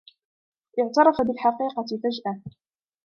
اعترَف بالحقيقة فجأةً.